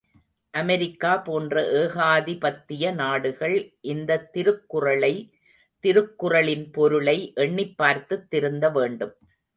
America போன்ற ஏகாதிபத்திய நாடுகள் இந்தத் திருக்குறளை திருக்குறளின் பொருளை எண்ணிப்பார்த்துத் திருந்த வேண்டும்.